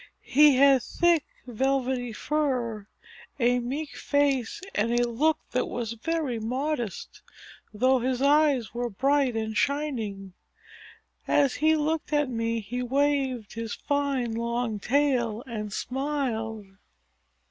He had thick, velvety fur, a meek face, and a look that was very modest, though his eyes were bright and shining. As he looked at me he waved his fine long tail and smiled.